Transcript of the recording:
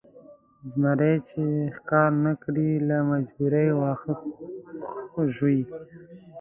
زمری چې ښکار نه کړي له مجبورۍ واښه ژوي.